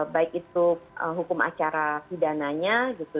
baik itu hukum acara pidananya gitu